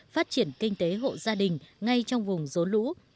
phát triển kinh tế hộ gia đình ngay trong vùng rốn lũ